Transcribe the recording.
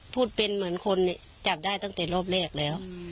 พูดเป็นเหมือนคนจับได้ตั้งแต่รอบแรกแล้ว